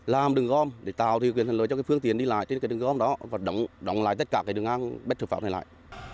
làm đường gom để tạo thủy quyền thần lối cho phương tiến đi lại trên đường gom đó và đóng lại tất cả đường ngang bất thực pháp này lại